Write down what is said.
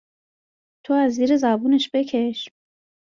تو از زیر زبونش بکش